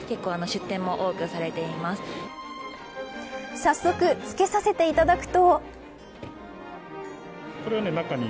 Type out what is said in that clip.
早速、着けさせていただくと。